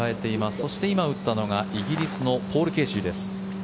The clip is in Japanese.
そして今打ったのがイギリスのポール・ケーシーです。